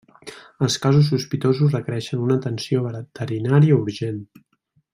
Els casos sospitosos requereixen una atenció veterinària urgent.